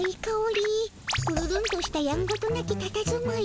ぷるるんとしたやんごとなきたたずまい。